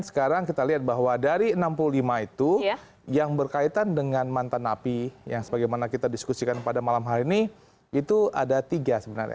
sekarang kita lihat bahwa dari enam puluh lima itu yang berkaitan dengan mantan napi yang sebagaimana kita diskusikan pada malam hari ini itu ada tiga sebenarnya